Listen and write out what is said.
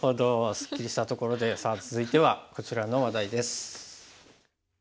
すっきりしたところでさあ続いてはこちらの話題です。